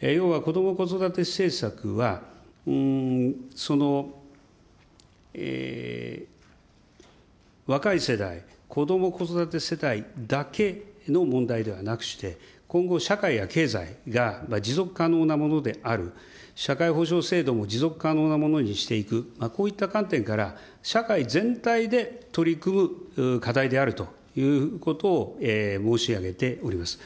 要は子ども・子育て政策は若い世代、子ども・子育て世帯だけの問題ではなくして、今後、社会や経済が持続可能なものである、社会保障制度も持続可能なものにしていく、こういった観点から社会全体で取り組む課題であるということを申し上げております。